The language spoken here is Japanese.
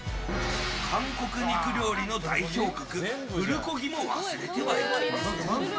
韓国肉料理の代表格プルコギも忘れてはいけません。